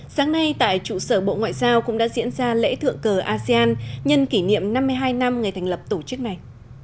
sáng nay tại trụ sở bộ ngoại giao cũng đã diễn ra lễ thượng cờ asean nhân kỷ niệm năm mươi hai năm ngày thành lập tổ chức này